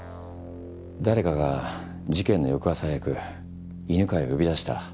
誰かが事件の翌朝早く犬飼を呼び出した。